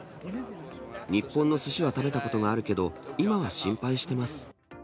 日本のすしは食べたことがあるけど、今は心配してます。